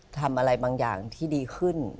ทำอะไรบางอย่างที่ดีขึ้น